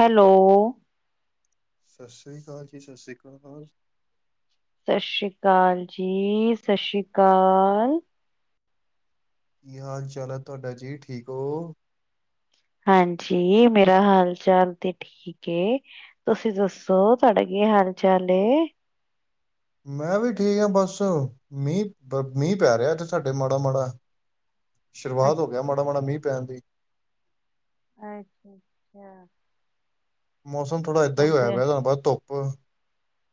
Hello, ਸਸ ਰੀ ਕਾਲ ਜੀ ਸਸ ਰੀ ਕਾਲ। ਸਸ਼ ਰੀ ਕਾਲ ਜੀ ਸਸ਼ ਰੀ ਕਾਲ। ਕੀ ਹਾਲ ਚਾਲ ਐ ਤੁਆਡਾ ਜੀ ਠੀਕ ਓਂ। ਹਾਂਜੀ, ਮੇਰਾ ਹਾਲ ਚਾਲ ਤੇ ਠੀ ਠੀਕ ਏ ਤੁਸੀਂ ਦੱਸੋ ਤੁਆਡਾ ਕੀ ਹਾਲ ਚਾਲ ਏ। ਮੈਂ ਵੀ ਠੀਕ ਆਂ ਬਸ ਮੀਂਹ-ਮੀਂਹ ਪੈ ਰਿਆ ਏਥੇ ਸਾਡੇ ਮਾੜਾ-ਮਾੜਾ। ਸ਼ੁਰੂਆਤ ਹੋ ਅੱਛਾ, ਗੇਆ ਮਾੜਾ-ਮਾੜਾ ਮੀਂਹ ਪੈਨ ਦੀ। ਅੱਛਾ-ਅੱਛਾ। ਮੌਸਮ ਥੋੜ੍ਹਾ ਇੱਦਾਂ ਹੀ ਹੋਇਆ ਤੇ ਪਿਆ, ਬਸ ਧੁੱਪ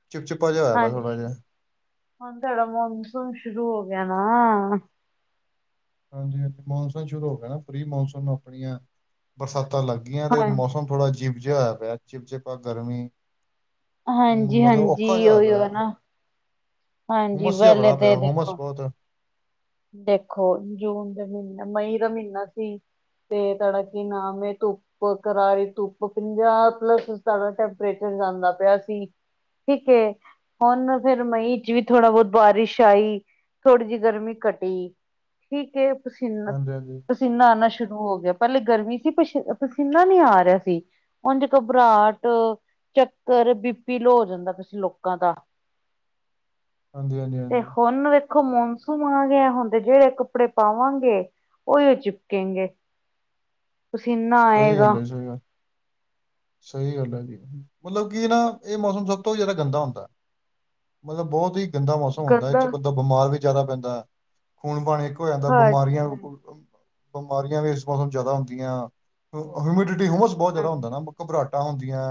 ਚਿਪਚਿੱਪਾ ਜਿਹਾ ਹੋਇਆ ਪਿਆ ਹਾਂਜੀ, ਥੋੜ੍ਹਾ ਜਿਹਾ ਹੁਣ ਤੁਹਾਡਾ ਮੌਨਸੂਨ ਸ਼ੁਰੂ ਹੋ ਗਿਆ ਨਾ ਹਾਂਜੀ ਹਾਂਜੀ ਮੌਨਸੂਨ ਸ਼ੁਰੂ ਹੋ ਗਿਆ ਨਾ ਪ੍ਰੀ ਮੌਨਸੂਨ ਆਪਣੀਆਂ ਬਰਸਾਤਾਂ ਲੱਗ ਗਈਆਂ ਤੇ ਹਾਂਜੀ, ਮੌਸਮ ਥੋੜ੍ਹਾ ਅਜੀਬ ਜਿਹਾ ਹੋਇਆ ਪਿਆ ਚਿਪ ਜਿਪਾ ਗਰਮੀ ਹੂ ਹਾਂਜੀ, ਮਤਲਬ ਔਖਾ ਜਹਾ ਹਾਂਜੀ, ਹੋਇਆ ਉਹੀਓ ਪਿਆ ਨਾ। ਹਾਂਜੀ ਹੁਮਸ ਜਿਹਾ ਵੈਲੇ ਬੜਾ ਪਿਆ ਤੇ ਹੁਮਸ ਦੇਖੋ ਬਹੁਤ ਦੇਖੋ ਜੂਨ ਦੇ ਮਹੀਨਾ ਮਈ ਦਾ ਮਹੀਨਾ ਸੀ ਤੇ ਤੁਹਾਡਾ ਕਿ ਨਾਮ ਏ, ਧੁੱਪ ਧੂਪ ਕਰਾਰੀ ਧੁੱਪ ਪੰਜਾਹ ਪਲੱਸ ਸਾਡਾ ਟੈਂਪਰੇਚਰ ਜਾਂਦਾ ਪਿਆ ਸੀ ਠੀਕ ਏ ਹੁਣ ਫੇਰ ਮਈ ਚ ਵੀ ਥੋੜਾ ਬਹੁਤ ਬਾਰਿਸ਼ ਆਈ, ਥੋੜ੍ਹੀ ਜਿਹੀ ਗਰਮੀ ਘੱਟੀ ਠੀਕ ਠੀਕ ਏ ਪਸੀਨਾ ਹਾਂਜੀ ਹਾਂਜੀ ਪਸੀਨਾ ਆਉਣਾ ਸ਼ੁਰੂ ਹੋ ਗਿਆ ਪਹਿਲੇ ਗਰਮੀ ਸੀ ਪ ਪਸੀਨਾ ਨਹੀਂ ਆ ਰਿਹਾ ਸੀ ਉਂਝ ਘਬਰਾਹਟ, ਚੱਕਰ, ਬੀਪੀ ਲੋ ਹੋ ਜਾਂਦਾ ਪਯਾ ਸੀ ਲੋਕਾਂ ਦਾ [inaudible] ਹਾਂਜੀ ਹਾਂਜੀ ਤੇ ਹਾਂਜੀ ਹੁਣ ਵੇਖੋ ਮੌਨਸੂਨ ਆ ਗਿਆ ਹੁਣ ਤੇ ਜਿਹੜੇ ਕੱਪੜੇ ਪਾਵਾਂਗੇ ਉਹੀ ਚਿਪਕੇਗੇ ਪਸੀਨਾ ਸਹੀ ਗੱਲ ਆਏਗਾ ਹੈ ਸਹੀ ਗੱਲ ਸਹੀ ਗੱਲ ਹੈ, ਮਤਲਬ ਕਿ ਨਾ ਇਹ ਮੌਸਮ ਸਭ ਤੋਂ ਜ਼ਿਆਦਾ ਗੰਦਾ ਹੁੰਦਾ ਮਤਲਬ ਬਹੁਤ ਹੀ ਗੰਦਾ ਮੌਸਮ ਹੁੰਦਾ ਇਹ ਚਹ ਗੰਦਾ ਬੰਦਾ ਬਿਮਾਰ ਵੀ ਜ਼ਿਆਦਾ ਪੈਂਦਾ ਹੈ ਖੂਨ ਪਾਣੀ ਇੱਕ ਹੋ ਜਾਂਦਾ ਹਰ ਚੀਜ਼ ਬਿਮਾਰੀਆਂ ਬੁ ਬਿਮਾਰੀਆਂ ਵੀ ਇਸ ਮੌਸਮ ਜ਼ਿਆਦਾ ਹੁੰਦੀਆਂ ਹਿਊਮਿਡਿਟੀ ਹੂਮਸ ਬਹੁਤ ਜ਼ਿਆਦਾ ਹਾਂਜੀ ਹੁੰਦਾ ਨਾ ਘਬਰਾਹਟਾਂ ਹੁੰਦੀਆਂ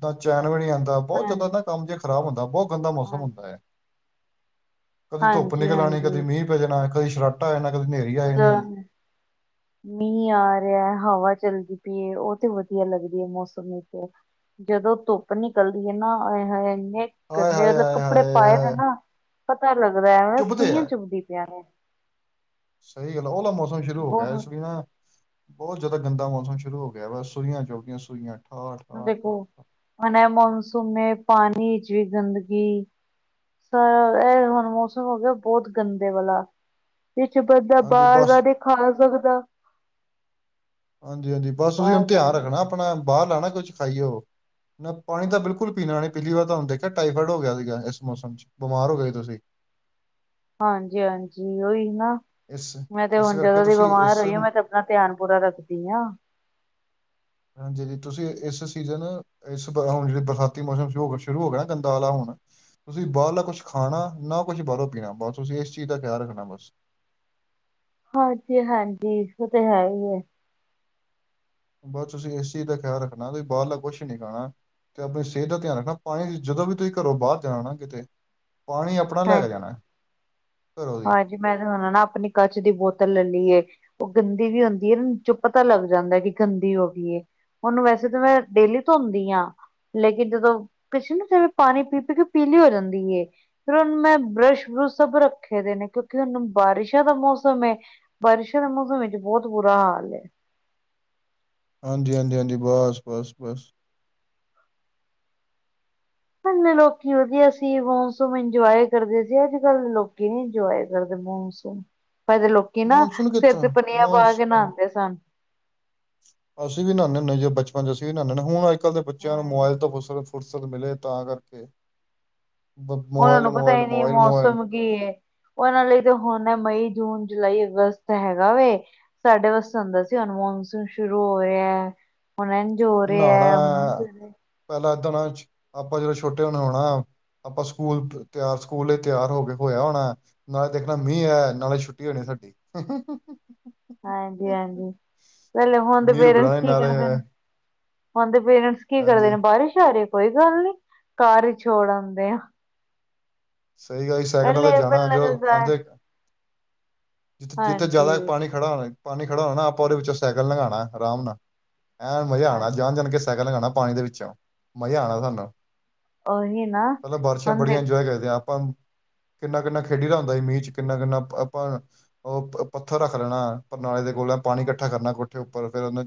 ਤਾਂ ਚੈਨ ਵੀ ਨਹੀਂ ਆਉਂਦਾ ਬਹੁਤ ਜ਼ਿਆਦਾ ਹਾਂਜੀ ਨਾ ਕੰਮ ਜੇ ਖਰਾਬ ਹੁੰਦਾ ਬਹੁਤ ਗੰਦਾ ਹਾਂਜੀ ਮੌਸਮ ਹੁੰਦਾ ਹੈ ਕਦੀ ਧੁੱਪ ਹਾਂਜੀ ਨਿਕਲ ਆਉਣੀ ਕਦੀ ਹਾਂਜੀ ਮੀਂਹ ਪੈ ਜਾਣਾ ਕਦੀ ਸ਼ਰਾਟਾ ਆ ਜਾਣਾ ਕਦੀ ਹਨੇਰੀ ਆ ਹੋ ਜਾਣੀ [unintelligible] [inaudible] ਮੀਂਹ ਆ ਰਿਹਾ ਹਵਾ ਚੱਲਦੀ ਪਈ ਹੈ ਉਹ ਤੇ ਵਧੀਆ ਲੱਗਦੀ ਹੈ ਮੌਸਮ ਵਿੱਚ ਜਦੋਂ ਧੁੱਪ ਨਿਕਲਦੀ ਹੈ ਨਾ ਆਏ ਹਾਏ ਇੰਨੇ ਹਾਏ ਕਹਿੰਦੇ ਹਾਏ ਮਤਲਬ ਹਾਏ ਕੱਪੜੇ ਹਾਏ ਪਾਏ ਨੇ ਹਾਏ ਨਾ ਪਤਾ ਲੱਗਦਾ ਐਵੇਂ ਚੁੱਭਦੇ ਸੂਈਆਂ ਆ ਚੁਭਦੀ ਪਿਆ ਨੇ ਸਹੀ ਗੱਲ ਐ, ਉਹਲਾ ਮੌਸਮ ਸ਼ੁਰੂ ਹੋ ਬਹੁਤ ਗਿਆ ਹੁਣ ਸੁਇਆ ਬਹੁਤ ਜ਼ਿਆਦਾ ਗੰਦਾ ਮੌਸਮ ਸ਼ੁਰੂ ਹੋ ਗਿਆ ਵਾ ਸੂਇਆਂ ਚੁੱਬਦੀਆਂ ਸੂਇਆਂ ਠਾ ਹੁਣ ਠਾ ਦੇਖੋ ਠਾ ਹੁਣ ਏ ਮਾਨਸੂਨ ਨੇ ਪਾਣੀ ਚ ਵੀ ਗੰਦਗੀ ਇਹ ਹੁਣ ਮੌਸਮ ਹੋ ਗਿਆ ਬਹੁਤ ਗੰਦੇ ਵਾਲਾ ਕੁਛ ਬੰਦਾ ਹਾਂਜੀ ਬਾਹਰ ਬਸ ਦਾ, ਨਹੀ ਖਾ ਸਕਦਾ ਹਾਂਜੀ ਹਾਂਜੀ ਬਸ ਔਹੀ ਬਾਹਰ ਹੁਣ ਦਾ ਧਿਆਨ ਰੱਖਣਾ ਆਪਣਾ ਬਾਹਰ ਦਾ ਨਾਂ ਕੁਛ ਖਾਈਓ ਮੈ ਪਾਣੀ ਤਾਂ ਬਿਲਕੁਲ ਪੀਣਾ ਨਹੀਂ ਪਹਿਲੀ ਵਾਰ ਤੁਹਾਨੂ ਦੇਖਿਆ ਟਾਈਫਾਈਡ ਹੋ ਗਿਆ ਸੀਗਾ, ਇਸ ਮੌਸਮ ਚ ਬਿਮਾਰ ਹੋ ਗਏ ਸੀ ਤੁਸੀਂ ਹਾਂਜੀ ਹਾਂਜੀ ਉਹੀ ਨਾ ਇਸ ਮੈਂ ਤੇ ਇਸ ਹੁਣ ਕਰਕੇ ਜਦੋਂ ਦੀ ਤੁਸੀਂ ਬਿਮਾਰ ਇਸ ਹੋਈਆ ਮੈਂ ਤੇ ਅਪਣਾ ਧਿਆਨ ਪੂਰਾ ਰੱਖਦੀ ਆਂ ਹਾਂਜੀ ਤੁਸੀਂ ਇਸ ਸੀਜ਼ਨ ਇਸ ਭਹਾਰ ਹੂਣ ਜਿਹੜੇ ਬਰਸਾਤੀ ਮੌਸਮ ਹੋ ਸ਼ੁਰੂ ਹੋ ਗਿਆ ਨਾ ਗੰਦਾ ਵਾਲਾ ਹੁਣ ਤੁਸੀਂ ਬਾਹਰਲਾ ਕੁਛ ਖਾਣਾ ਨਾ ਕੁਛ ਬਾਹਰੋਂ ਪੀਣਾ, ਬਸ ਤੁਸੀਂ ਇਸ ਚੀਜ਼ ਦਾ ਖਿਆਲ ਰੱਖਣਾ ਬਸ ਹਾਂਜੀ ਹਾਂਜੀ ਉਹ ਤੇ ਹੈ ਹੀ ਹੈ ਬਸ ਤੁਸੀਂ ਇਸ ਚੀਜ਼ ਦਾ ਖਿਆਲ ਰੱਖਣਾ ਤੁਸੀਂ ਬਾਹਰਲਾ ਕੁੱਛ ਨੀ ਖਾਣਾ ਤੇ ਆਪਣੀ ਸਿਹਤ ਦਾ ਧਿਆਨ ਰੱਖਣਾ ਪਾਣੀ ਜਦੋਂ ਵੀ ਤੁਸੀਂ ਘਰੋਂ ਬਾਹਰ ਜਾਣਾ ਨਾ ਕਿਤੇ, ਪਾਣੀ ਲੈ ਹਾਂ, ਕੇ ਜਾਣਾ ਘਰੋਂ ਦੀ ਹਾਂਜੀ ਮੈਂ ਤਾਂ ਹੁਣ ਨਾ ਆਪਣੀ ਕੱਚ ਦੀ ਬੋਤਲ ਲੈ ਲਈਏ। ਓ ਗੰਦੀ ਵੀ ਹੁੰਦੀ ਐ ਇਹ ਚੁੱਪ ਪਤਾ ਲੱਗ ਜਾਂਦਾ ਕਿ ਗੰਦੀ ਹੋਗੀ ਐ। ਉਹਨੂੰ ਵੈਸੇ ਤਾਂ ਮੈਂ ਡੇਲੀ ਧੋਂਦੀ ਆ। ਲੇਕਿਨ ਜਦੋਂ ਪਿੱਛੇ ਨਾ ਫਿਰ ਪਾਣੀ ਪੀ ਪੀ ਕੇ ਪੀਲੀ ਹੋ ਜਾਂਦੀ ਏ। ਫਿਰ ਹੁਣ ਮੈਂ ਬਰੱਸ਼ ਬਰੁਸ਼ ਸਭ ਰੱਖੇ ਦੇ ਨੇ ਕਿਉਂਕਿ ਹੁਣ ਬਾਰਿਸ਼ਾਂ ਦਾ ਮੌਸਮ ਐ। ਬਾਰਿਸ਼ਾਂ ਦੇ ਮੌਸਮ ਵਿੱਚ ਬਹੁਤ ਬੁਰਾ ਹਾਲ ਐ। ਹਾਂਜੀ-ਹਾਂਜੀ, ਹਾਂਜੀ ਬਸ-ਬਸ, ਬਸ। ਇਨੇ ਲੋਕੀ ਵਧੀਆ ਸੀ ਮੋਸਮ ਇੰਜੋਏ ਕਰਦੇ ਸੀ ਅੱਜ ਕੱਲ ਲੋਕੀ ਨੀ ਇੰਜੋਏ ਕਰਦੇ ਮੋਸਮ। [unintelligible] ਲੋਕੀ ਨਾ ਮੌਨਸੂਨ ਸਿਰ ਤੇ ਕਿੱਥੋਂ ਚੁੰਨੀਆਂ ਪਾ ਕੇ ਮੌਨਸੂਨ ਨਾਂਦੇ ਸਨ। ਅਸੀਂ ਵੀ ਨਹਾਨੇ ਹੁੰਦੇ ਜਦੋਂ ਬਚਪਨ ਚ ਅਸੀਂ ਵੀ ਨਹਾਨੇ ਹੁਣ ਅੱਜ ਕੱਲ ਦੇ ਬੱਚਿਆਂ ਨੂੰ ਮੋਬਾਇਲ ਤੋਂ ਫੁਰਸਤ ਫੁਰਸਤ ਮਿਲੇ ਤਾਂ ਕਰਕੇ ਮੋਬਾਈਲ-ਮੋਬਾਈਲ ਮੋਬਾਈਲ, ਮੋਬਾਈਲ। ਗੀ ਉਹਨਾਂ ਲਈ ਤਾਂ ਹੁਣ ਮਈ, ਜੂਨ, ਜੁਲਾਈ, ਅਗਸਤ ਹੈਗਾ ਵੇ। ਸਾਡੇ ਵਾਸਤੇ ਹੁੰਦਾ ਸੀ ਹੁਣ ਮੋਨਸੂਨ ਸ਼ੁਰੂ ਹੋਇਆ। ਹੁਣ ਇੰਝ ਹੋ ਨਹਾਣਾ ਰਿਆ ਹੁਣ ਉਂਜ ਹੈ। ਹੋ, ਪਹਿਲਾਂ ਦਿਨਾਂ ਵਿੱਚ ਆਪਾਂ ਜਦੋਂ ਛੋਟੇ ਹੋਣਾ ਨਹਾਉਣਾ ਆਪਾਂ ਸਕੂਲ ਤਿਆਰ ਸਕੂਲ ਲਈ ਤਿਆਰ ਹੋ ਕੇ ਹੋਇਆ ਹੋਣਾ। ਨਾਲੇ ਦੇਖਣਾ ਮੀਂਹ ਐ ਨਾਲੇ ਛੁੱਟੀ ਹੋਣੀ ਸਾਡੀ। ਹਾਂਜੀ-ਹਾਂਜੀ ਪਹਿਲੇ ਹੁਣ ਦੇ ਮੀਂਹ ਪੇਰੈਂਟਸ ਰੁਕਣਾ ਨੀ ਕੀ ਨਾਲੇ ਕਰਦੇ ਨੇ ਹੁਣ ਦੇ ਪੇਰੈਂਟਸ ਕੀ ਕਰਦੇ ਹਾਂਜੀ ਨੇ ਬਾਰਿਸ਼ ਆ ਰੀ ਕੋਈ ਗੱਲ ਨੀ ਕਾਰ ਵਿੱਚ ਛੋੜ ਆਂਦੇ ਆ। ਸਈ ਗੱਲ ਜੀ ਸਾਈਕਲਾਂ ਪਹਿਲੇ ਤੇ ਜਾਣਾ ਪਹਿਲੇ ਜੋ ਲੱਗਦਾ ਹੈ ਆਂਦੇ ਜਿੱਥੇ-ਜਿੱਥੇ ਹਾਂਜੀ ਜ਼ਿਆਦਾ ਪਾਣੀ ਖੜਾ ਹੋਣਾ ਪਾਣੀ ਖੜਾ ਹੋਣਾ ਨਾ ਆਪਾਂ ਉਹਦੇ ਵਿੱਚੋਂ ਸਾਈਕਲ ਲੰਘਾਣਾ ਆਰਾਮ ਨਾਲ ਐਂਨ ਮਜ਼ਾ ਆਣਾ ਜਾਣ ਜਾਣ ਕੇ ਸਾਈਕਲ ਲਘਾਣਾ ਪਾਣੀ ਦੇ ਵਿੱਚੋਂ ਮਜ਼ਾ ਆਣਾ ਸਾਨੂੰ। ਉਹੀ ਨਾ ਮਤਲਬ ਬਾਰਿਸ਼ਾਂ ਹੁਣ ਬੜੀਆਂ ਦੇਖੋ ਇੰਜੋਏ ਕਰਦੇ ਆ ਆਪਾਂ ਕਿੰਨਾ ਕਿੰਨਾ ਖੇਡੀ ਦਾ ਹੁੰਦਾ ਸੀ ਮੀਂਹ ਚ ਕਿੰਨਾ ਕਿੰਨਾ ਆਪਾਂ ਓ ਪੱਥਰ ਰੱਖ ਲੈਣਾ ਨਾਲੇ ਦੇ ਕੋਲ ਪਾਣੀ ਇਕੱਠਾ ਕਰਨਾ ਕੁ ਉੱਠੇ ਉੱਪਰ [unintelligible] ਉਹ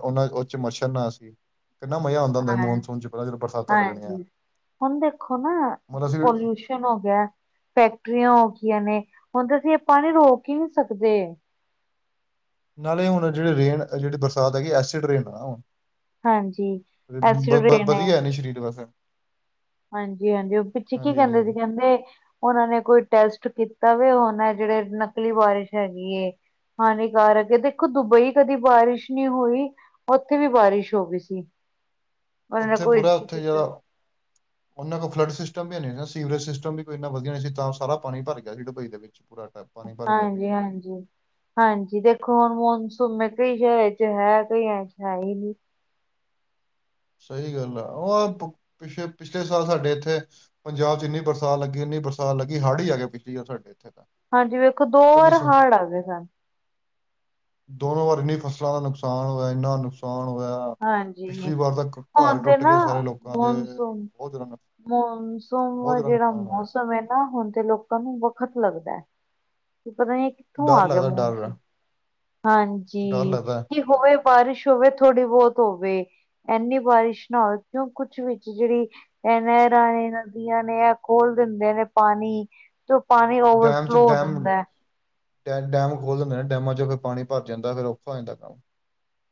ਉਹ ਉਹ ਚ ਮੱਛਰ ਨਾ ਅਸੀਂ ਕਿੰਨਾ ਮਜ਼ਾ ਆਂਦਾ ਹੁੰਦਾ ਸੀ ਹਾਂ ਮੌਨਸੂਨ ਚ ਪਤਾ ਜਦੋਂ ਬਰਸਾਤਾਂ ਲੱਗਣੀਆਂ। ਹਾਂਜੀ ਹੁਣ ਦੇਖੋ ਨਾ ਮਤਲਬ ਅਸੀਂ ਪਲਿਊ ਸ਼ਨ ਹੋ ਗਿਆ ਫੈਕਟਰੀਆਂ ਹੋ ਗਈਆਂ ਨੇ ਹੁਣ ਤਾਂ ਅਸੀਂ ਏ ਪਾਣੀ ਰੋਕ ਈ ਨੀ ਸਕਦੇ। ਨਾਲੇ ਹੁਣ ਜਿਹੜੇ ਰੇਨ ਜਿਹੜੀ ਬਰਸਾਤ ਹੈਗੀ ਐਸਿਡ ਰੇਨ ਆ ਹੁਣ। ਹਾਂਜੀ ਐਸਿਡ ਵਧੀ ਰੇਨ ਵਧੀਆ ਹੈਨੀ ਸਰੀਰ ਵਾਸਤੇ। ਹਾਂਜੀ-ਹਾਂਜੀ ਹੁਣ ਪਿੱਛੇ ਕੀ ਕਹਿੰਦੇ ਸੀ ਕਹਿੰਦੇ ਉਹਨਾਂ ਨੇ ਕੋਈ ਟੈਸਟ ਕੀਤਾ ਵੀ ਹੁਣ ਐ ਜਿਹੜੇ ਨਕਲੀ ਬਾਰਿਸ਼ ਹੈਗੀ ਏ ਹਾਨੀਕਾਰਕ ਦੇਖੋ ਦੁਬਈ ਕਦੀ ਬਾਰਿਸ਼ ਨੀ ਹੋਈ ਓਥੇ ਵੀ ਬਾਰਿਸ਼ ਹੈਗੀ ਸੀ। ਉਹਨਾਂ ਨੇ ਓਥੇ ਕੋਈ ਪੂਰਾ ਓਥੇ ਕੀਤਾ ਜਿਹੜਾ ਸੀ। ਉਹਨਾਂ ਕੋਲ ਫਲੱਡ ਸਿਸਟਮ ਵੀ ਹੈ ਨੀ ਨਾ ਸੀਵਰੇਜ ਸਿਸਟਮ ਵੀ ਕੋਈ ਇੰਨਾ ਵਧੀਆ ਨਹੀਂ ਸੀ ਤਾਂ ਸਾਰ ਪਾਣੀ ਭਰ ਗਿਆ ਸੀ ਡੁਬਈ ਦੇ ਵਿੱਚ ਪੂਰਾ ਟੈ- ਪਾਣੀ ਭਰ ਗਿਆ ਸੀਗਾ ਹਾਂਜੀ-ਹਾਂਜੀ। ਹਾਂਜੀ, ਦੇਖੋ ਹੁਣ ਮੌਨਸੂਨ ਕਈ [unintelligible] ਵਿੱਚ ਹੈ ਕਈਆਂ ਵਿੱਚ ਹੈਈ ਨੀ। ਸਹੀ ਗੱਲ ਆ ਹਾਂ ਪਿੱਛੇ ਪਿੱਛਲੇ ਸਾਲ ਸਾਡੇ ਇੱਥੇ ਪੰਜਾਬ ਚ ਇੰਨੀ ਬਰਸਾਤ ਲੱਗੀ ਇੰਨੀ ਬਰਸਾਤ ਲੱਗੀ ਹੜ ਹੀ ਆ ਗਿਆ ਪਿਛਲੀ ਵਾਰ ਸਾਡੇ ਇੱਥੇ ਤਾਂ। ਹਾਂਜੀ ਵੇਖੋ ਦੋ ਕਦੀ ਵਾਰ ਸੋ ਹੜ ਆ ਗਏ ਸਨ। ਦੋਨੋ ਵਾਰ ਇਨੀ ਫਸਲਾਂ ਦਾ ਨੁਕਸਾਨ ਹੋਇਆ ਇੰਨਾ ਨੁਕਸਾਨ ਹੋਇਆ। ਹਾਂਜੀ। ਪਿਛਲੀ ਵਾਰ ਤਾਂ ਘ- ਘਰ ਆਉਂਦੇ ਟੁੱਟ ਨਾ ਗਏ ਸਾਰੇ ਲੋਕਾਂ ਦੇ ਬਹੁਤ ਜ਼ਿਆਦਾ ਨੁਕ- ਮੌਨਸੂਨ-ਮੌਨਸੂਨ ਬਹੁਤ ਜ਼ਿਆਦਾ ਜਿਹੜਾ ਨੁਕਸਾਨ ਮੌਸਮ ਹੋਇਆ ਸਮੇਂ ਨਾ ਹੋਣ ਤੇ ਲੋਕਾਂ ਨੂੰ ਵੱਖਤ ਲੱਗਦਾ ਕਿ ਪਤਾ [inaudible] ਡਰ ਲੱਗਦਾ ਡਰ ਡਰ ਹਾਂਜੀ, ਲੱਗਦਾ ਕੀ ਹੋਵੇ ਬਾਰਿਸ਼ ਹੋਵੇ ਥੋੜ੍ਹੀ ਬੋਤ ਹੋਵੇ ਏਨੀ ਬਾਰਿਸ਼ ਨਾ ਹੋਵੇ ਕਿਉਂ ਕੁਛ ਵਿੱਚ ਜੇਹੜੀ ਐਨ ਰਾਣੀ ਨਦੀਆਂ ਨੇ ਐ ਖੋਲ ਦਿੰਦੇ ਨੇ ਪਾਣੀ ਤੇ ਪਾਣੀ ਡੈਮ 'ਚ ਓਵਰਫਲੋ ਹੋ ਡੈਮ ਜਾਂਦਾ ਹੈ। ਡੈ ਡੈਮ ਖੋਲ ਦਿੰਦੇ ਨੇ ਡੈਮਾਂ ਚੋਂ ਫਿਰ ਪਾਣੀ ਭਰ ਜਾਂਦਾ ਫਿਰ ਔਖਾ ਹੋ ਜਾਂਦਾ ਕੰਮ।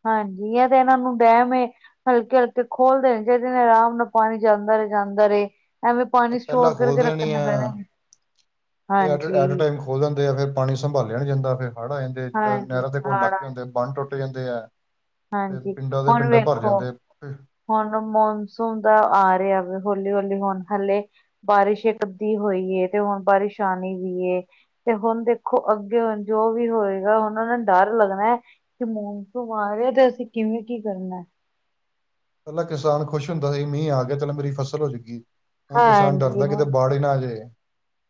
ਹਾਂਜੀ, ਐ ਤੇ ਏਨਾਂ ਨੂੰ ਡੈਮ ਏ ਹਲਕੇ-ਹਲਕੇ ਖੋਲਦੇ ਨੇ ਜੀਦੇ ਨਾ ਆਰਾਮ ਨਾਲ ਪਾਣੀ ਜਾਂਦਾ ਰਹੇ ਜਾਂਦਾ ਰਹੇ। ਐਵੇਂ ਇਹ ਪਾਣੀ ਪਹਿਲਾਂ ਸਟੋਰ ਖੋਲ ਕਰਕੇ ਦੇਣੀ ਰੱਖਣ ਦੇ ਆ ਫੈਦਾ ਨੀ ਇਹ ਐਟ ਐਟ ਹਾਂਜੀ। ਟਾਈਮ ਖੋਲ ਲੈਂਦੇ ਆ ਫੇਰ ਪਾਣੀ ਸੰਭਾਲਿਆ ਨੀ ਜਾਂਦਾ ਫੇਰ ਹੜ ਆ ਜਾਂਦੇ ਜੇੜੇ ਹਾਂਜੀ ਨਹਿਰ ਦੇ ਕੋਲ ਹਾੜ ਇਲਾਕੇ ਹੁੰਦੇ। ਬੰਨ ਟੁੱਟ ਜਾਂਦੇ ਹੈ ਤੇ ਹਾਂਜੀ ਪਿੰਡਾਂ ਦੇ ਹੁਣ ਪਿੰਡਾਂ ਭਰ ਵੇਖੋ ਜਾਂਦੇ। ਹੁਣ ਮੌਨਸੂਨ ਤਾਂ ਆ ਰਿਹਾ ਹੌਲੀ-ਹੌਲੀ ਹੁਣ ਹਲੇੇ ਬਾਰਿਸ਼ ਇੱਕ ਅੱਧੀ ਹੋਈ ਤੇ ਹੁਣ ਬਾਰਿਸ਼ ਆਂਣੀ ਵੀ ਏ। ਤੇ ਹੁਣ ਦੇਖੋ ਅੱਗੇ ਹੁਣਜੋ ਵੀ ਹੋਏਗਾ ਹੁਣ ਓਨੂੰ ਡਰ ਲੱਗਣਾ। ਤੇ ਮੌਨਸੂਨ ਆ ਰਿਹਾ ਤੇ ਅਸੀਂ ਕਿਵੇਂ ਕੀ ਕਰਨਾ। ਪੈਂਲਾਂ ਕਿਸਾਨ ਖੁਸ਼ ਹੁੰਦਾ ਸੀ ਮੀਂਹ ਆ ਗਿਆ ਚੱਲ ਮੇਰੀ ਫਸਲ ਹੋਜੂਗੀ। ਹੁਣ ਕਿਸਾਨ ਹਾਂਜੀ ਡਰਦਾ ਕਿਤੇ ਹੁਣ ਬਾੜ ਹੀ ਨਾ ਆ ਜੇ।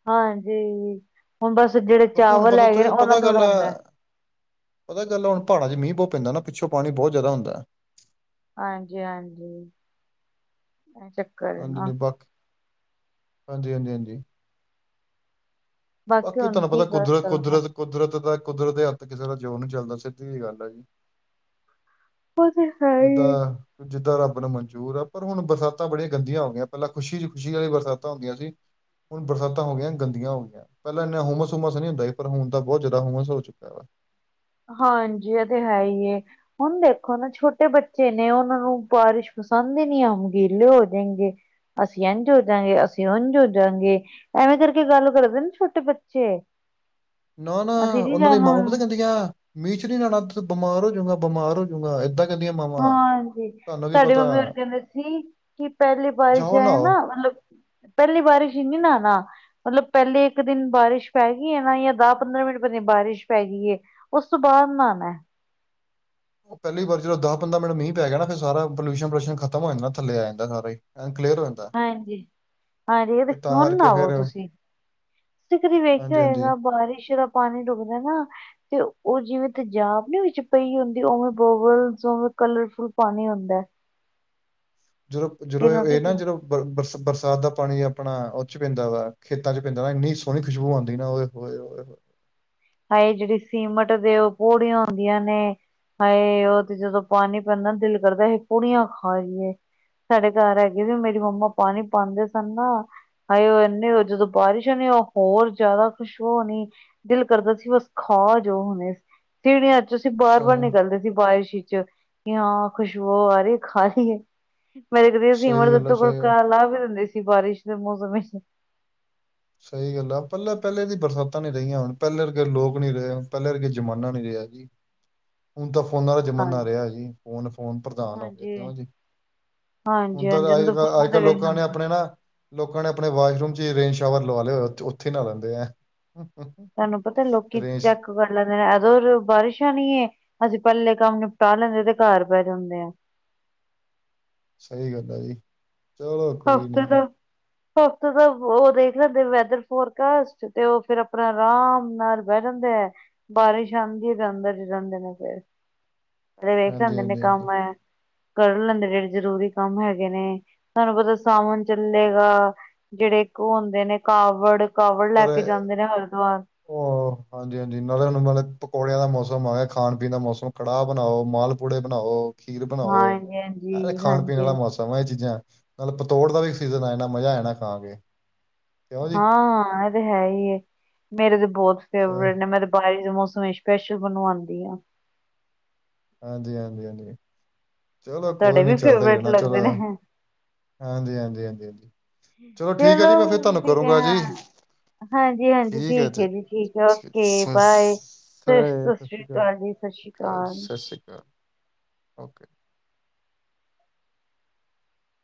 ਹਾਂਜੀ, ਹੁਣ ਬਸ ਜੇੜੇ ਕਿਉਂਕਿ ਹੁਣ ਚਾਵਲ ਪਤਾ ਹੈਗੇ ਤੁਸੀਂ ਓਨਾ ਪਤਾ ਗੱਲ ਥੋੜ੍ਹਾ ਆ ਹੁੰਦਾ। ਪਤਾ ਗੱਲ ਪਾੜਾਂ 'ਚ ਮੀਹ ਬੌ ਪੈਂਦਾ ਨਾ ਪਿੱਛੋਂ ਪਾਣੀ ਬੌ ਜ਼ਿਆਦਾ ਹੁੰਦਾ। ਹਾਂਜੀ-ਹਾਂਜੀ। ਹਾਂਜੀ, ਹਾਂਜੀ, ਹਾਂਜੀ, ਹਾਂਜੀ, ਹਾਂਜੀ। ਬਾਕੀ ਹੁਣ ਤੁਆਨੂੰ ਕੀ ਪਤਾ ਕਰ ਕੁਦਰਤ, ਸਕਦਾ। ਕੁਦਰਤ, ਕੁਦਰਤ ਦਾ ਕੁਦਰਤ ਦੇ ਹੱਥ ਕਿਸੇ ਦਾ ਜ਼ੋਰ ਨੀ ਚੱਲਦਾ ਸਿੱਧੀ ਜੀ ਗੱਲ ਐ ਜੀ। ਹੋ ਗਿਆ। ਜਿੱਦਾਂ ਜਿੱਦਾਂ ਰੱਬ ਨੂੰ ਮਨਜੂਰ ਆ ਪਰ ਹੁਣ ਬਰਸਾਤਾਂ ਬੜੀਆਂ ਗੰਦੀਆਂ ਹੋਗੀਆਂ ਪੈਲਾਂ ਖੁਸ਼ੀ ਚ ਖੁਸ਼ੀ ਵਾਲੀ ਬਰਸਾਤਾਂ ਹੁੰਦੀਆਂ ਸੀ। ਹੁਣ ਬਰਸਾਤਾਂ ਹੋਗੀਆਂ ਗੰਦੀਆਂ ਹੋਗੀਆਂ। ਪੈਲਾਂ ਇੰਨਾ ਹ ਹੁੰਮਸ-ਹੂੰਮਸ ਨੀ ਹੁੰਦਾ ਸੀ ਪਰ ਹੁਣ ਤਾਂ ਬੋਤ ਜ਼ਿਆਦਾ ਹ ਹੁੰਮਸ ਹੋ ਚੁੱਕਾ ਵਾ। ਹਾਂਜੀ, ਏ ਤੇ ਹੈ ਈ ਏ। ਹੁਣ ਦੇਖੋ ਨਾ ਛੋਟੇ ਬੱਚੇ ਨੇ ਓਨਾਂ ਨੂੰ ਬਾਰਿਸ਼ ਪਸੰਦ ਈ ਨੀ ਆਂਦੀ ਗੀਲੇ ਹੋ ਜਾਂਗੇ। ਅਸੀਂ ਇੰਝ ਹੋ ਜਾਂਗੇ ਅਸੀਂ ਉਝ ਹੋ ਜਾਂਗੇ। ਐਵੇਂ ਕਰਕੇ ਗੱਲ ਕਰਦੇ ਨੇ ਛੋਟੇ ਬੱਚੇ। ਨਾ-ਨਾ ਅਸੀਂ ਨੀ ਓਨਾਂ ਦੀਆਂ ਮਾਵਾ ਜਾਣਾ। ਪਤਾ ਕੀ ਕੈਂਦੀਆਂ ਮੀਂਹ ਚ ਨੀ ਨਾਉਣਾ ਬਿਮਾਰ ਹੋਜੂਗਾ ਬਿਮਾਰ ਹੋਜੂਗਾ ਏਂਦਾਂ ਹਾਂਜੀ। ਸਾਡੀ ਮੰਮੀ ਹੋਰ ਕਹਿੰਦੇ ਸੀ ਕਿ ਪੈਲੀ ਬਾਰਿਸ਼ ਜਾਓ ਹੈ ਨਹਾਓ ਨਾ ਮਤਲਬ ਪੈਹਲੀ ਬਰਿਸ਼ ਨੀ ਨਾਣਾ। ਮਤਲਬ ਪੈਹਲੇ ਇੱਕ ਦਿਨ ਬਾਰਿਸ਼ ਪੈਗੀ ਆ ਹ ਨਾ ਜਾਂ ਦਸ, ਪੰਦਰਾਂ ਮਿੰਟ ਪੈਲਾ ਬਾਰਿਸ਼ ਪੈ ਗਈ। ਓਸ ਤੋਂ ਬਾਅਦ ਨਾਉਣਾਂ ਏ। ਓ ਪੈਹਲੀ ਵਾਰ ਜਦੋਂ ਦਸ, ਪੰਦਰਾਂ ਮਿੰਟ ਪੈ ਗਿਆ ਨਾ ਫੇਰ ਸਾਰਾ ਪੋਲਿਊਸਨ ਸ ਪਲੂਸ਼ਨ ਖਤਮ ਹੋ ਜਾਂਦਾ ਥੱਲੇ ਆ ਜਾਂਦਾ ਸਾਰਾ ਈ। ਕਲੀਅਰ ਹੋ ਜਾ ਹਾਂਜੀ, ਆਜੋ ਜੇ ਹੁਣ ਕਰਕੇ ਨਾ ਫਿਰ ਆਓ ਤੁਸੀਂ ਤੁਂਸੀਂ ਵੀ ਕਦੀ ਵੇਖਿਆ ਹਾਂਜੀ ਹਾਂਜੀ ਹੋਏਗਾ ਬਾਰਿਸ਼ ਦਾ ਪਾਣੀ ਡੁੱਬਦਾ ਨਾ ਤੇ ਓ ਜਿਵੇਂ ਤੇਜਾਬ ਨੀ ਵਿੱਚ ਪਈ ਹੁੰਦੀ ਉਵੇਂ ਬੋਬਲ ਉਵੇਂ ਕਲਰਫੁਲ ਪਾਣੀ ਹੁੰਦਾ। ਜਦੋਂ, ਜਦੋਂ ਇਹ ਏਹ ਨੋਟਿਸ ਨਾ ਜਦੋਂ ਬਰਸ ਬਰਸਾਤ ਦਾ ਪਾਣੀ ਆਪਣਾ ਓ ਚ ਪੈਂਦਾ ਵਾ ਖੇਤਾਂ ਚ ਪੈਂਦਾ ਨਾ ਐਨੀ ਸੋਹਣੀ ਖੁਸ਼ਬੂ ਆਂਦੀ ਨਾ ਉਏ ਹੋਏ ਉਹੋ। ਹਾਏ, ਜਿਹੜੀ ਸੀਮੇਂਟ ਦੇ ਉਹ ਪੋੜੀਆਂ ਹੁੰਦੀਆਂ ਨੇ ਹਾਏ, ਉਹ ਤੇ ਜਦੋਂ ਪਾਣੀ ਪੈਂਦਾ ਨਾ, ਦਿਲ ਕਰਦਾ ਅਸੀ ਪੂੜੀਆਂ ਖਾ ਲੀਏ। ਸਾਡੇ ਘਰ ਹੈਗੀ ਵੀ, ਮੇਰੀ ਮੰਮਾਂ ਪਾਂਣੀ ਪਾਂਦੇ ਸਨ ਨਾ ਹਾਏ, ਉਹ ਇੰਨੇ ਹੋ ਜਦੋਂ ਬਾਰਿਸ਼ ਹੋਨੀਂ ਓ ਹੋਰ ਜ਼ਿਆਦਾ ਖੁਸ਼ਬੂ ਹੋਨੀਂ ਕਰਦਾ ਸੀ ਬਸ ਖਾ ਜੋ ਹੁਣੇ, ਤੀਰੀਆਂ 'ਚ ਅਸੀਂ ਬਾਰ-ਬਾਰ ਸਹੀ ਨਿਕਲਦੇ ਸੀ ਬਾਰਿਸ਼ 'ਚ। ਇਓਂ ਖੁਸ਼ਬੂ ਆ ਰਹੀ ਖਾ ਲੀਏ। ਮੇਰੇ ਕਦੀ ਅ ਸੀਮੈਂਟ ਸਹੀ ਦੇ ਗੱਲ ਆ ਉੱਤੋ ਸਹੀ ਗੱਲ- ਗੁੜਕਾ ਲਾਹ ਕੇ ਦਿੰਦੇ ਸੀ। ਬਾਰਿਸ਼ ਦੇ ਮੌਸਮ ਵਿੱਚ ਸਹੀ ਗੱਲ ਆ, ਪਹਿਲਾਂ-ਪਹਿਲੇ ਦੀ ਬਰਸਾਤਾਂ ਨੀ ਰਹੀਆਂ ਹੁਣ, ਪਹਿਲੇ ਵਰਗੇ ਲੋਕ ਨੀ ਰਹੇ ਹੁਣ, ਪਹਿਲਾ ਵਰਗੇ ਜ਼ਮਾਨਾ ਨੀ ਰਿਹਾ ਜੀ। ਹੁਣ ਤਾਂ ਫੋਨਾਂ ਦਾ ਜਮਾਨਾ ਹਾਂਜੀ ਰਿਹਾ ਜੀ, ਫੋਨ-ਫੋਨ ਪ੍ਰਧਾਨ ਹੋਵੇ ਹਾਂਜੀ ਕਿਉਂ ਹਾਂਜੀ ਜੀ। ਹੁਣ ਹਾਂਜੀ ਤਾਂ ਅੰਜਨ ਅਜ ਦੇ ਕ, ਫੁੱਲਾਂ ਦੇ ਅੱਜ-ਕੱਲ੍ਹ ਲੋਕਾਂ ਨੇ ਵੇਖ ਆਪਣੇ ਨਾ ਲੋਕਾਂ ਨੇ ਆਪਣੇ ਵਾਸ਼ਰੂਮ 'ਚ ਈ ਰੇਨ ਸ਼ਾਵਰ ਲਵਾ ਲੇ ਹੋਏ, ਉੱਥੇ-ਉੱਥੇ ਈ ਨਾਅ ਲੈਂਦੇ ਆ। ਤੁਹਾਨੂੰ ਪਤਾ ਲੋਕੀ ਰੇਂਜ ਚੈੱਕ ਕਰ ਲੈਂਦੇ ਨੇ, ਆ ਜੋ-ਜੋ ਬਾਰਿਸ਼ ਆਨੀ ਏ, ਅਸੀਂ ਪਹਿਲੇ ਕੰਮ ਨਿਪਟਾ ਲੈਂਨੇ ਤੇ ਘਰ ਬਹਿ ਜਾਂਦੇ ਆ। ਸਹੀ ਗੱਲ ਐ ਜੀ। ਚਲੋ ਕੋਈ ਹਫ਼ਤੇ ਦਾ [inaudible] ਹਫ਼ਤੇ ਦਾ ਉਹ ਦੇਖ ਲੈਂਦੇ, ਵੈਦਰ ਫੋਰ ਕਾਸਟ ਤੇ ਉਹ ਫੇਰ ਆਪਣਾ ਆਰਾਮ ਨਾਲ ਬਹਿ ਜਾਂਦੇ ਐ। ਬਾਰਿਸ਼ ਆਂਦੀ ਏ ਤੇ ਅੰਦਰ ਈ ਰਹਿਦੇ ਨੇ ਫਿਰ। ਫਿਰ ਵੇਖਦੇ ਹਾਂਜੀ, ਹੁੰਦੇ ਨੇ ਹਾਂਜੀ, ਹਾਂਜੀ ਕੰਮ ਆਇਆ। ਕਰ ਲੈਂਦੇ, ਜਿਹੜੇ ਜ਼ਰੂਰੀ ਕੰਮ ਹੈਗੇ ਨੇ, ਤੁਹਾਨੂੰ ਪਤਾ ਸਾਵਣ ਚੱਲੇਗਾ। ਜਿਹੜੇ ਉਹ ਹੁੰਦੇ ਨੇ, ਕਾਵੜ-ਕਾਵੜ ਲੈ ਕੇ ਜਾਂਦੇ ਨੇ ਹਰਿਦਵਾਰ। ਓ। ਹਾਂਜੀ-ਹਾਂਜੀ ਨਾਲੇ ਹੁਣ ਨਾਲੇ ਪਕੌੜਿਆਂ ਦਾ ਮੌਸਮ ਆ ਗਿਆ, ਖਾਣ-ਪੀਣ ਦਾ ਮੌਸਮ, ਕੜਾਹ ਬਣਾਓ, ਮਾਲਪੂੜੇ ਬਣਾਓ ਖੀਰ ਬਣਾਓ, ਹਾਂਜੀ ਅਰੇ ਹਾਂਜੀ ਖਾਣ-ਪੀਣ ਹਾਂਜੀ ਆਲਾ ਮੌਸਮ ਤਮੇ, ਇਹ ਚੀਜ਼ਾਂ ਮਤਲਬ ਪਤੋੜ ਦਾ ਵੀ ਸੀਜ਼ਨ ਆ ਜਾਣਾ, ਮਜ਼ਾ ਆ ਜਾਨਾ ਖਾ ਕੇ। ਕਿਉਂ ਜੀ ਹਾਂ-ਹਾਂ ਇਹ ਤੇ ਈ ਐ, ਮੇਰੇ ਤੇ ਬਹੁਤ ਚ- ਫੇਵਰੇਟ ਨੇ ਮੈਂ ਤੇ ਬਾਰਿਸ਼ ਦੇ ਮੌਸਮ ਵਿੱਚ ਸਪੈਸ਼ਲ ਬਣਵਾਉਂਦੀ ਆ। ਹਾਂਜੀ-ਹਾਂਜੀ, ਹਾਂਜੀ ਚਲੋ ਤੁਹਾਡੇ ਕੋਈ ਨੀ ਵੀ ਚੱਲਦਾ ਈ ਫੇਵਰੇਟ ਰਹਿਣਾ, ਲੱਗਦੇ ਚਲੋ ਨੇ ਹਾਂਜੀ-ਹਾਂਜੀ, ਹਾਂਜੀ-ਹਾਂਜੀ ਚਲੋ ਠੀਕ ਹੈ ਜੀ, ਮੈਂ ਫਿਰ ਤੁਹਾਨੂੰ ਕਰੂੰਗਾ ਜੀ। ਹਾਂਜੀ-ਹਾਂਜੀ ਠੀਕ ਏ ਜੀ, ਠੀਕ ਏ, ਓਕੇ ਸਤਿ ਬਾਏ। ਸਤਿ ਸਾਸਰੀ ਕਾਲ ਜੀ, ਸ਼ਾਸਰੀ ਕਾਲ। ਸ਼ੀ ਕਾ। ਓਕੇ।